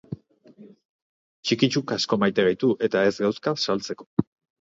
Txikitxuk asko maite gaitu eta ez gauzka saltzeko